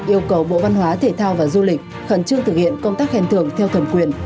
yêu cầu bộ văn hóa thể thao và du lịch khẩn trương thực hiện công tác khen thưởng theo thẩm quyền